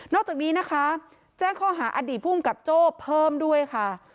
อกจากนี้นะคะแจ้งข้อหาอดีตภูมิกับโจ้เพิ่มด้วยค่ะ